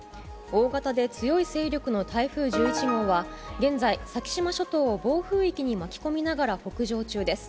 大型で強い勢力の台風１１号は、現在、先島諸島を暴風域に巻き込みながら北上中です。